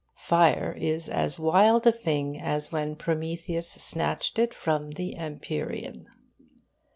Fire is as wild a thing as when Prometheus snatched it from the empyrean.